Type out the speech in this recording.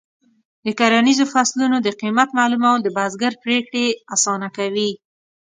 د کرنیزو فصلونو د قیمت معلومول د بزګر پریکړې اسانه کوي.